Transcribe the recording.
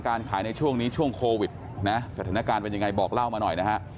ขายในช่วงนี้ช่วงโควิดนะสถานการณ์เป็นยังไงบอกเล่ามาหน่อยนะฮะ